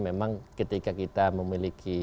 memang ketika kita memiliki